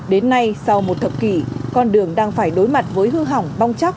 đến nay sau một thập kỷ con đường đang phải đối mặt với hư hỏng bong chóc